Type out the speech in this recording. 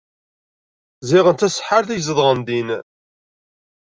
Ziɣen d taseḥḥart i izedɣen din.